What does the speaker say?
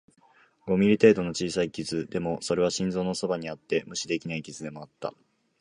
五ミリ程度の小さい傷、でも、それは心臓のそばにあって無視できない傷でもあった